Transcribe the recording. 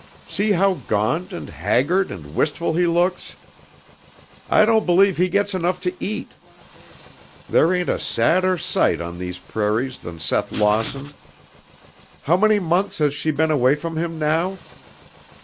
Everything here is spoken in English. "See how gaunt and haggard and wistful he looks. I don't believe he gets enough to eat. There ain't a sadder sight on these prairies than Seth Lawson. How many months has she been away from him now?